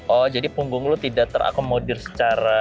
oh jadi punggung lu tidak terakomodir secara